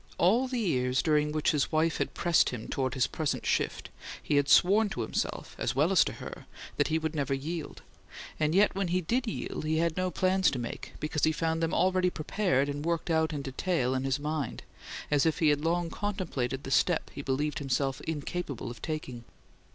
All the years during which his wife had pressed him toward his present shift he had sworn to himself, as well as to her, that he would never yield; and yet when he did yield he had no plans to make, because he found them already prepared and worked out in detail in his mind; as if he had long contemplated the "step" he believed himself incapable of taking.